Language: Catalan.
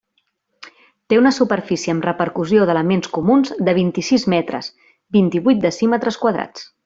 Té una superfície amb repercussió d'elements comuns de vint-i-sis metres, vint-i-vuit decímetres quadrats.